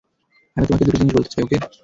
আমি তোমাকে দুটি জিনিস বলতে চাই, ওকে?